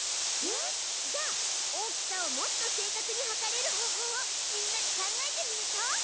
じゃあ大きさをもっと正確にはかれる方法をみんなで考えてみましょう。